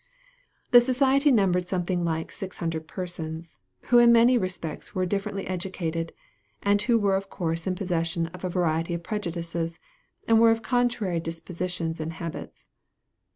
This society numbered something like six hundred persons, who in many respects were differently educated, and who were of course in possession of a variety of prejudices, and were of contrary dispositions and habits.